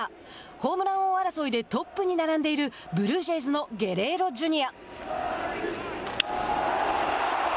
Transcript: ホームラン王争いでトップに並んでいるブルージェイズのゲレーロＪｒ．。